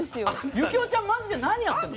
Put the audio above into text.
行雄ちゃん、マジで何やってるの？